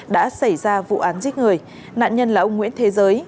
đã xảy ra vụ án giết người nạn nhân là ông nguyễn thế giới